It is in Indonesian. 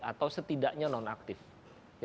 atau mengundurkan diri dari perusahaan tempat bekerja